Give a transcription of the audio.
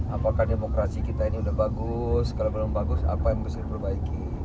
apakah demokrasi kita ini udah bagus kalau belum bagus apa yang harus diperbaiki